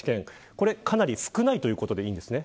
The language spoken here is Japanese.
これは、かなり少ないということでいいんですね。